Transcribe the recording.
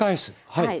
はい。